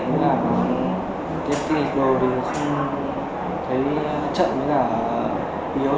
tình trạng xét nghiệm đầu thì không thấy chậm hay là yếu